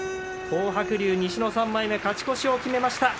東白龍、西の３枚目勝ち越しを決めました。